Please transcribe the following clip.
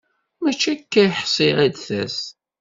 Mačči akka ay ḥṣiɣ ad d-tas.